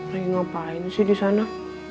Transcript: lagi ngapain sih di sana